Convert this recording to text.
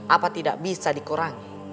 apa tidak bisa dikurangi